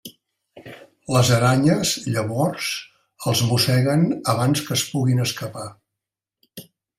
Les aranyes llavors els mosseguen abans que es puguin escapar.